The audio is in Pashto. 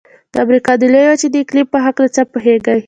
د امریکا د لویې وچې د اقلیم په هلکه څه پوهیږئ؟